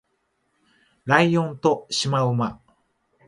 ライオンとシマウマ